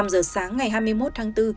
năm giờ sáng ngày hai mươi một tháng bốn